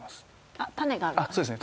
あっタネがあるそうですね